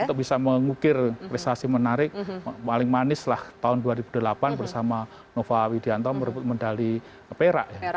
untuk bisa mengukir prestasi menarik paling manis lah tahun dua ribu delapan bersama nova widianto merebut medali perak